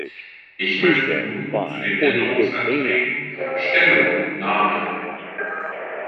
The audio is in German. Ich möchte nun zu den Änderungsanträgen Stellung nahmen.